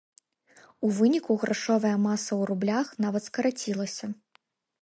У выніку грашовая маса ў рублях нават скарацілася.